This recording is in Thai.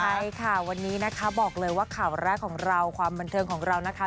ใช่ค่ะวันนี้นะคะบอกเลยว่าข่าวแรกของเราความบันเทิงของเรานะคะ